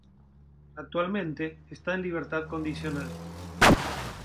Actualmente está en libertad condicional.